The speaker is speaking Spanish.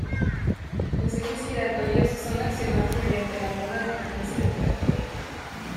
Los ejes giratorios son accionados mediante la toma de potencia del tractor.